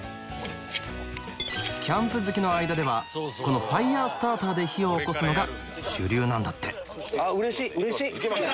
キャンプ好きの間ではこのファイヤースターターで火をおこすのが主流なんだってうれしいうれしい！